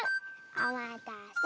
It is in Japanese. おまたせ。